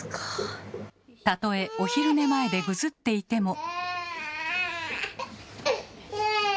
たとえお昼寝前でぐずっていても。